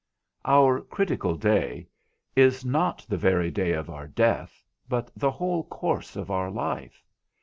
Our critical day is not the very day of our death, but the whole course of our life.